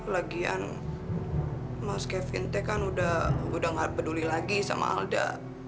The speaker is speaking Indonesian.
lagian mas kevinte kan udah gak peduli lagi sama alda